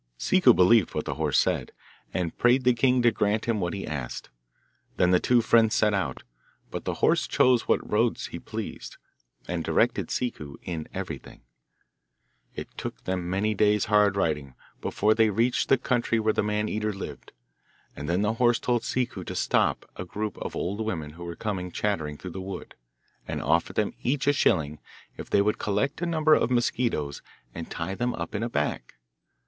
Ciccu believed what the horse said, and prayed the king to grant him what he asked. Then the two friends set out, but the horse chose what roads he pleased, and directed Ciccu in everything. It took them many days' hard riding before they reached the country where the Man eater lived, and then the horse told Ciccu to stop a group of old women who were coming chattering through the wood, and offer them each a shilling if they would collect a number of mosquitos and tie them up in a bag.